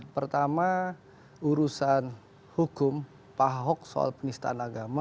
pertama urusan hukum pahok soal penistaan agama